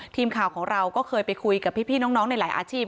ทีมข่าวของเราก็เคยไปคุยกับพี่น้องในหลายอาชีพ